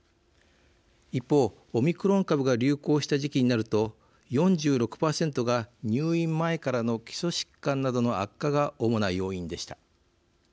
一方、オミクロン株が流行した時期になると４６％が入院前からの基礎疾患などの悪化が主な要因でした。